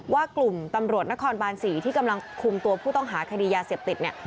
ว่ากลุ่มตำรวจนครบาน๔ที่กำลังคุมตัวผู้ต้องหาคดียาเสพติดเนี่ย